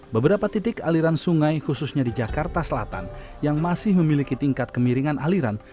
beberapa titik aliran sungai khususnya di jakarta selatan yang masih memiliki tingkat kemiringan aliran